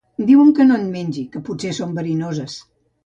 Diu que no en mengi, que potser són verinoses